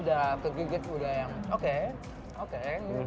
udah kegigit udah yang oke oke